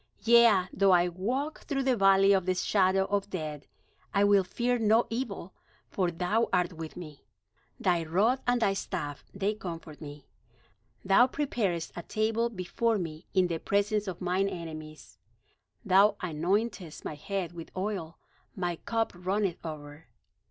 Yea, though I walk through the valley of the shadow of death, I will fear no evil; for thou art with me; Thy rod and thy staff, they comfort me. Thou preparest a table before me in the presence of mine enemies; Thou anointest my head with oil; my cup runneth over.